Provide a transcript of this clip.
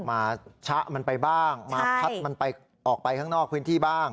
มาชะมันไปบ้างมาพัดมันไปออกไปข้างนอกพื้นที่บ้าง